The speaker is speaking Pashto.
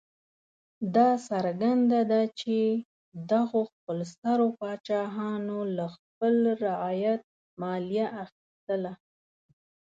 دا څرګنده ده چې دغو خپلسرو پاچاهانو له خپل رعیت مالیه اخیستله.